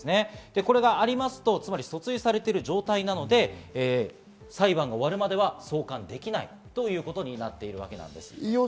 これがありますと訴追されている状態なので、裁判が終わるまでは送還できないということになっています。